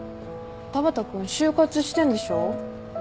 田畑君就活してんでしょ。